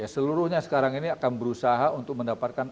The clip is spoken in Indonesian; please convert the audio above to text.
seluruhnya sekarang ini akan berusaha untuk mendapatkan